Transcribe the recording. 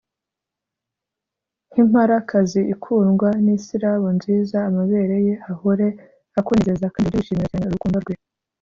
nk’imparakazi ikundwa n’isirabo nziza, amabere ye ahore akunezeza, kandi ujye wishimira cyane urukundo rwe